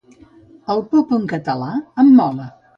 El pop en català em mola.